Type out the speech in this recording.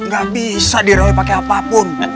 gak bisa dirawet pake apapun